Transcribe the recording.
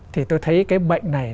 thì tôi thấy cái bệnh này